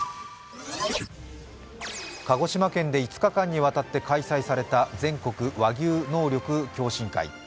鹿児島県で５日間にわたって開催された全国和牛能力共進会。